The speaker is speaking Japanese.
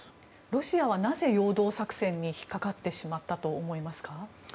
ロシアはなぜ陽動作戦に引っかかってしまったと思いますか。